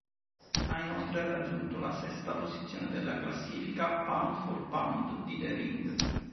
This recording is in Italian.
Ha inoltre raggiunto la sesta posizione della classifica "pound for pound" di "The Ring".